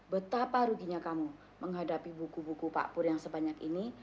betapa ruginya kamu menghadapi buku buku pak pur yang sebanyak ini